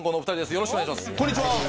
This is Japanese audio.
よろしくお願いします。